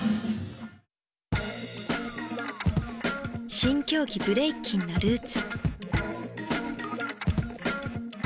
新競技ブレイキンのルーツ。